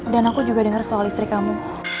dan aku juga denger soal istri kamu